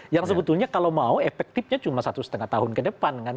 yang sebetulnya kalau mau efektifnya cuma satu setengah tahun ke depan kan